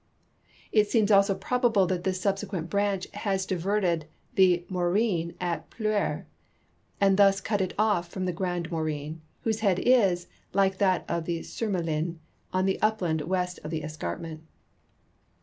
It seems also i)rol)able that this subsequent branch has diverted the Maurienne at Pleurs, and thus cut it off from the Grand iNIorin, whose head is, like that of the Surmelin, on the upland Avest of the escarinnent.